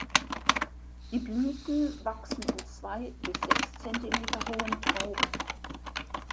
Die Blüten wachsen in zwei bis sechs cm hohen Trauben.